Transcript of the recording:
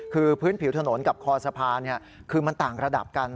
คือพื้นผิวถนนกับคอสะพานคือมันต่างระดับกัน